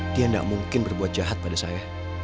dia tidak mungkin berbuat jahat pada saya